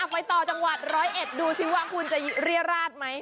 ไปต่อจังหวัดร้อยเอ็ดดูสิว่าคุณจะเรียราชไหม